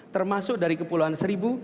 termasuk dari kepulauan seribu